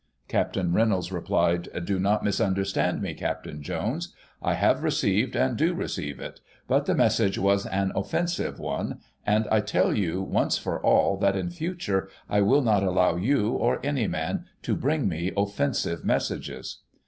Capt. Reynolds replied :* Do not mis understand me, Captain Jones ; I have received, and do receive it; but the message was an offensive one; and I tell you, once for all, that, in future, I will not allow you, or any man, to bring me offensive messages.'